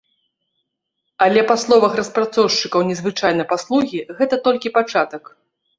Але па словах распрацоўшчыкаў незвычайнай паслугі, гэта толькі пачатак.